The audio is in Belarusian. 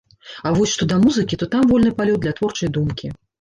А вось што да музыкі, то там вольны палёт для творчай думкі.